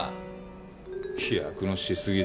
飛躍のしすぎだな。